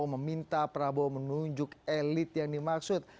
meminta prabowo menunjuk elit yang dimaksud